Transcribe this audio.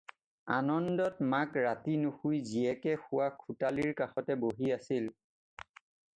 আনন্দত মাক ৰাতি নুশুই জীয়েকে শোৱা খোঁটালিৰ কাষতে বহি আছিল।